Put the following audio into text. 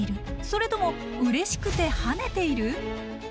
それともうれしくて跳ねている？